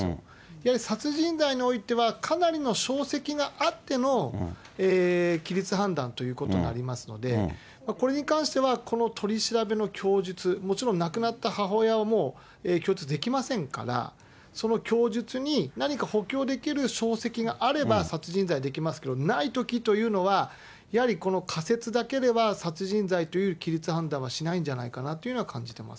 やはり殺人罪においては、かなりの証跡があっての擬律判断ということになりますので、これに関しては、この取り調べの供述、もちろん亡くなった母親は、もう供述できませんから、その供述に何か補強できる証跡があれば、殺人罪できますけど、ないときというのは、仮説だけでは、殺人罪という擬律判断はしないんじゃないかなというふうに感じてます。